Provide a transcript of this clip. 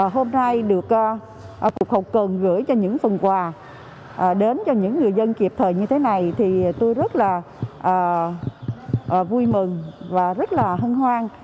hôm nay được cục hậu cần gửi cho những phần quà đến cho những người dân kịp thời như thế này thì tôi rất là vui mừng và rất là hân hoan